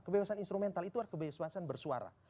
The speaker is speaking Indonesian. kebebasan instrumental itu adalah kebebasan bersuara